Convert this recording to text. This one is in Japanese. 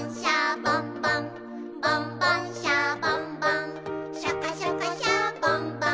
「ボンボン・シャボン・ボンシャカシャカ・シャボン・ボン」